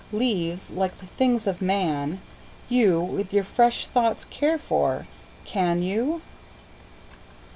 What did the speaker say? Leáves, líke the things of man, youWith your fresh thoughts care for, can you?